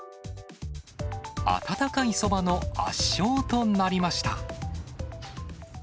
温かいそばの圧勝となりました。